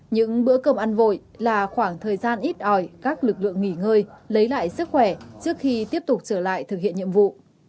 những bữa cơm ăn vội là khoảng thời gian ít ỏi các lực lượng nghỉ ngơi lấy lại sức khỏe trước khi tiếp tục trở lại thực hiện nhiệm vụ